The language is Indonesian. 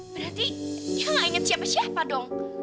berarti ya gak inget siapa siapa dong